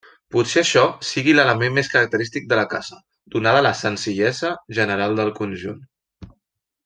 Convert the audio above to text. Potser això sigui l'element més característic de la casa, donada la senzillesa general del conjunt.